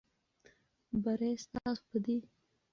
بری ستاسو په دی.